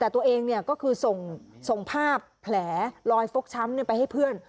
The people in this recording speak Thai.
แต่ตัวเองก็คือส่งภาพแผลลอยฟกช้ำไปให้เพื่อน